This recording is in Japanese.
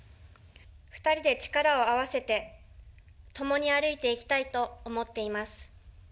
２人で力を合わせて、共に歩いていきたいと思っています。